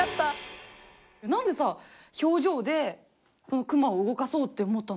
何でさ表情でこのクマを動かそうって思ったの？